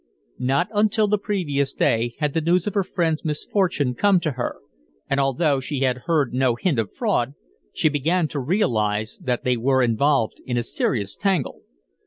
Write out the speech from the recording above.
Not until the previous day had the news of her friends' misfortune come to her, and although she had heard no hint of fraud, she began to realize that they were involved in a serious tangle.